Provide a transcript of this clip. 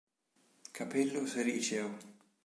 Cappello sericeo.